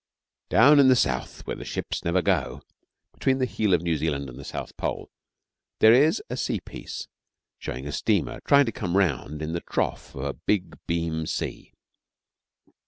'Down in the South where the ships never go' between the heel of New Zealand and the South Pole, there is a sea piece showing a steamer trying to come round in the trough of a big beam sea.